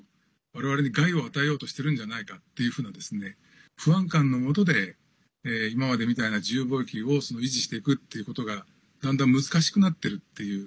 われわれに害を与えようとしてるんじゃないっていうふうな不安感のもとで今までみたいな自由貿易を維持していくということがだんだん難しくなってるという。